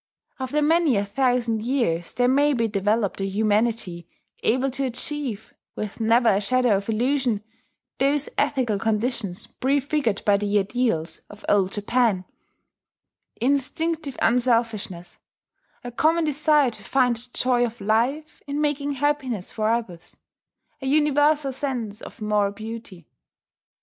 After many a thousand years there may be developed a humanity able to achieve, with never a shadow of illusion, those ethical conditions prefigured by the ideals of Old Japan: instinctive unselfishness, a common desire to find the joy of life in making happiness for others, a universal sense of moral beauty.